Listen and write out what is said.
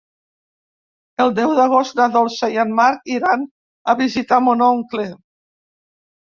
El deu d'agost na Dolça i en Marc iran a visitar mon oncle.